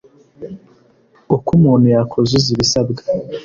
Uko umuntu yakuzuza ibisabwa